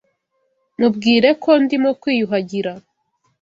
Mubwire ko ndimo kwiyuhagira.